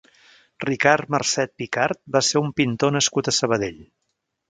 Ricard Marcet Picard va ser un pintor nascut a Sabadell.